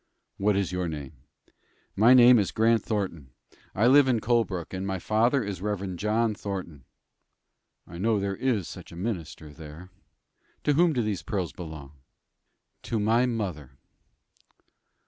"What is your name?" "My name is Grant Thornton. I live in Colebrook, and my father is Rev. John Thornton." "I know there is such a minister there. To whom do these pearls belong?" "To my mother."